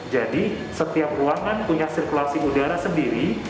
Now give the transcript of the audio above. jadi setiap ruangan punya sirkulasi udara sendiri